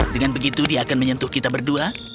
dengan begitu dia akan menyentuh kita berdua